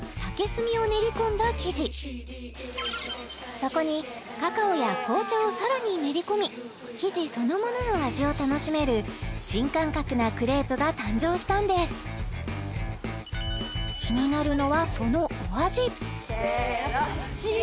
そこにカカオや紅茶をさらに練り込み生地そのものの味を楽しめる新感覚なクレープが誕生したんですせの！